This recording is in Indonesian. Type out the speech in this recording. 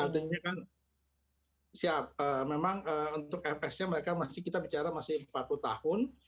sebenarnya kan siap memang untuk fsc mereka masih kita bicara masih empat puluh tahun